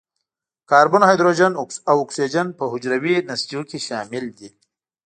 کاربن، هایدروجن او اکسیجن په حجروي نسجونو کې شامل دي.